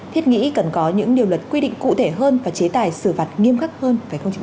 thiết nghĩ cần có những điều lật quy định cụ thể hơn và chế tải xử vặt nghiêm khắc hơn